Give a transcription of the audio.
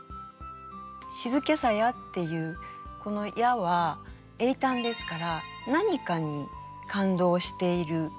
「静けさや」っていうこの「や」は詠嘆ですから何かに感動している。